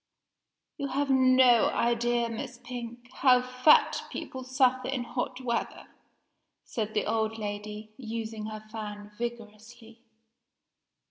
"You have no idea, Miss Pink, how fat people suffer in hot weather," said the old lady, using her fan vigorously.